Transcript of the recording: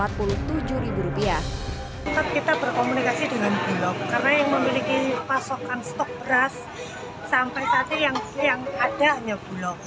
tetap kita berkomunikasi dengan bulog karena yang memiliki pasokan stok beras sampai saat ini yang ada hanya bulog